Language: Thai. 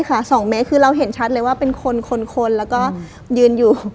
๒เมตรคือเราเห็นชัดเลยว่าเป็นคนคนแล้วก็ยืนอยู่